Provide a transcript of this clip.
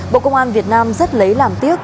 bộ công an việt nam rất lấy làm tiếc